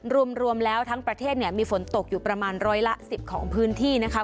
รวมแล้วทั้งประเทศเนี่ยมีฝนตกอยู่ประมาณร้อยละ๑๐ของพื้นที่นะคะ